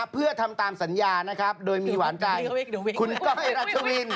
เพื่อทำตามสัญญานะครับโดยมีหวานใจคุณก้อยรัชวิน